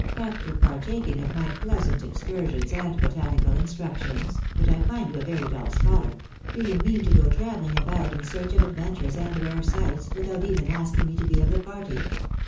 After partaking of my pleasant ex cursions and botanical instructions (but I find you a very dull scholar), do you mean to go traveling about in search of adventures and rare sights, without even asking me to be of the party